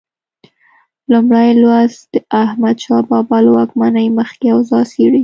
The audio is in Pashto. لومړی لوست د احمدشاه بابا له واکمنۍ مخکې اوضاع څېړي.